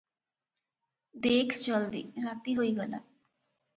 ଦେଖ ଜଲଦି, ରାତି ହୋଇଗଲା ।